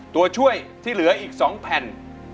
ตัวช่วยที่เหลืออีก๒แผ่น